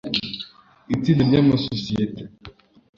itsinda ry amasosiyete